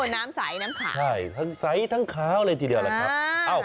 น้ำใสน้ำขาวใช่ทั้งใสทั้งขาวเลยทีเดียวแหละครับ